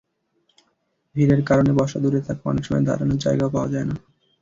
ভিড়ের কারণে বসা দূরে থাক, অনেক সময় দাঁড়ানোর জায়গাও পাওয়া যায় না।